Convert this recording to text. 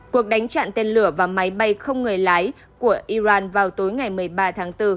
cuộc đánh chặn tên lửa và máy bay không người lái của iran vào tối ngày một mươi ba tháng bốn